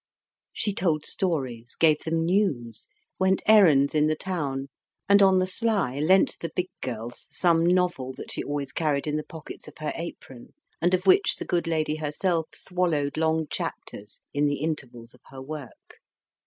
She told stories, gave them news, went errands in the town, and on the sly lent the big girls some novel, that she always carried in the pockets of her apron, and of which the good lady herself swallowed long chapters in the intervals of her work.